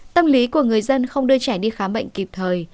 tâm lý của người dân không đưa trẻ đi khám bệnh kịp thời